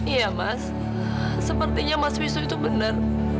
iya mas sepertinya mas visu itu benar